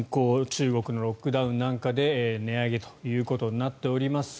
中国のロックダウンなんかで値上げということになっております。